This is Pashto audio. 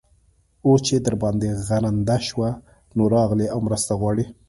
اوس چې در باندې غرنده شوه؛ نو، راغلې او مرسته غواړې.